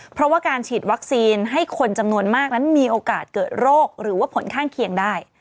เพราะว่าการฉีดวัคซีนให้คนจำนวนมากนั้นมีโอกาสเกิดโรคหรือว่าผลข้างเคียงได้